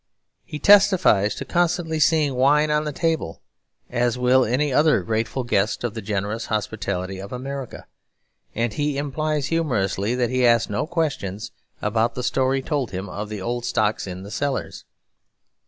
He testifies to constantly seeing wine on the table, as will any other grateful guest of the generous hospitality of America; and he implies humorously that he asked no questions about the story told him of the old stocks in the cellars.